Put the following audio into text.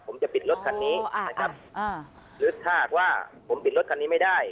ผมจะปิดรถคันนี้นะครับหรือถ้าหากว่าผมปิดรถคันนี้ไม่ได้